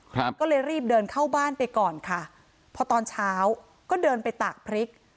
ครับก็เลยรีบเดินเข้าบ้านไปก่อนค่ะพอตอนเช้าก็เดินไปตากพริก